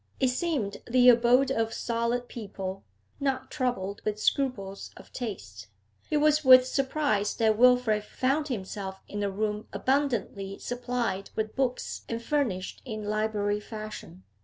It seemed the abode of solid people, not troubled with scruples of taste. It was with surprise that Wilfrid found himself in a room abundantly supplied with books and furnished in library fashion.